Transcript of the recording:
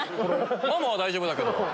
まもは大丈夫だけど。